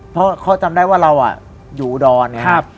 เพราะเขาจำได้ว่าเราอยู่อุดรเนี่ย